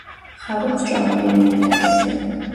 ხარობს ჭაობიან ნიადაგებზე.